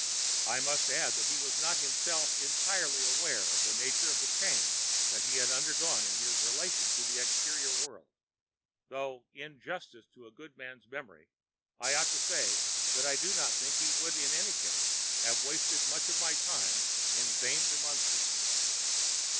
I must add that he was not himself entirely aware of the nature of the change that he had undergone in his relation to the exterior world, though in justice to a good man's memory I ought to say that I do not think he would in any case have wasted much of my time in vain remonstrance.